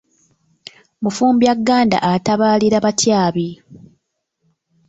Mufumbyagganda atabalira batyabi.